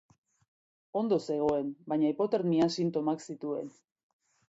Ondo zegoen, baina hipotermia sintomak zituen.